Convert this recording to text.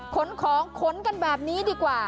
ขนของขนกันแบบนี้ดีกว่า